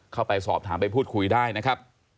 เข้าไปสอบถามไปพูดคุยได้นะครับ